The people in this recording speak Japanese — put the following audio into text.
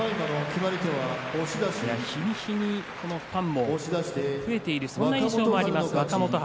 日に日にファンも増えている印象もある若元春。